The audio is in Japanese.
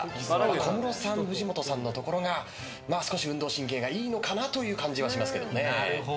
小室さん、藤本さんのところが少し運動神経がいいのかなという感じがしますけどね。